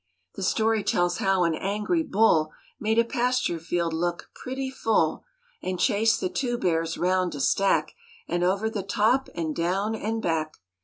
The story tells how an angry bull Made a pasture field look pretty full And chased the two bears round a stack And over the top and down and back.